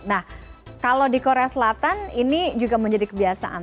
nah kalau di korea selatan ini juga menjadi kebiasaan